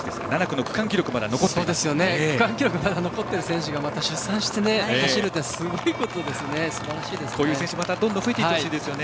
区間記録が残っている選手が出産してまた走るというのはすばらしいですね。